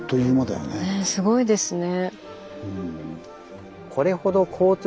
すごいですね。